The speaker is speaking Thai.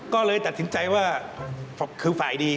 ก็เลยตัดสินใจว่าคือฝ่ายดี